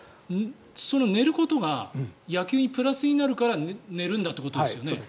寝ることが野球にプラスになるから寝るんだということですよね。